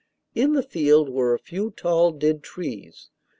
In the field were a few tall dead trees.